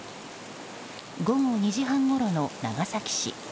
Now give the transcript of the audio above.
午後２時半ごろの長崎市。